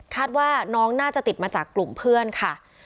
ว่าน้องน่าจะติดมาจากกลุ่มเพื่อนค่ะ